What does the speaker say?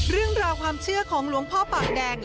เรื่องราวความเชื่อของหลวงพ่อปากแดง